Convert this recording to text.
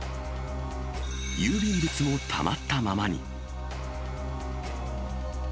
郵便物もたまったままに。